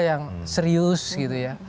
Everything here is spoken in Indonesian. yang serius gitu ya